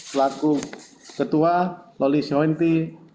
pelaku ketua loli syawenti